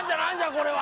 これは。